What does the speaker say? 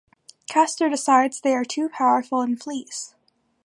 Kastor decides they are too powerful and flees.